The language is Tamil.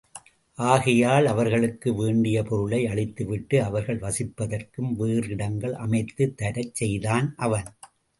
ஆகையால் அவர்களுக்கு வேண்டிய பொருளை அளித்துவிட்டு அவர்கள் வசிப்பதற்கும் வேறு இடங்கள் அமைத்துத் தரச் செய்தான் அவன்.